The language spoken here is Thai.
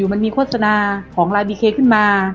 มันมีโฆษณาของลายบีเคขึ้นมา